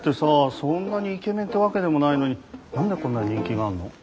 そんなにイケメンってわけでもないのに何でこんなに人気があるの？